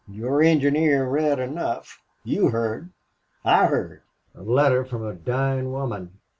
Your engineer read enough. You heard. I heard.... A letter from a dying woman.